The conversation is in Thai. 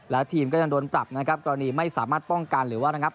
แล้วทีมก็ยังโดนปรับนะครับกรณีไม่สามารถป้องกันหรือว่าระงับ